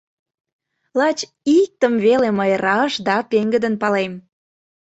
Лач иктым веле мый раш да пеҥгыдын палем.